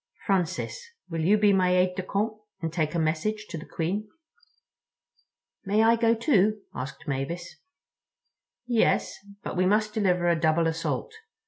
Francis, will you be my aide de camp and take a message to the Queen?" "May I go, too?" asked Mavis. "Yes. But we must deliver a double assault.